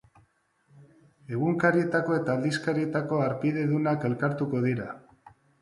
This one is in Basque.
Egunkarietako eta aldizkarietako harpidedunak elkartuko dira.